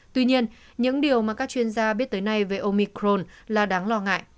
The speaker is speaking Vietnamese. tuy nhiên những điều mà các chuyên gia biết tới nay về omicron là đáng lo ngại